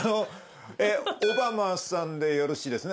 オバマさんでよろしいですね？